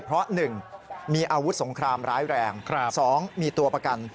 เพราะ๑มีอาวุธสงครามร้ายแรง๒มีตัวประกัน